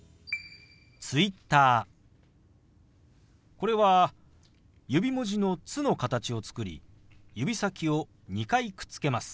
これは指文字の「つ」の形を作り指先を２回くっつけます。